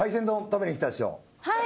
はい。